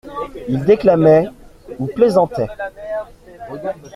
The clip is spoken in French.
Ils déclamaient ou plaisantaient.